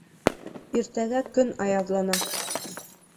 Иртәгә көн аяҙлана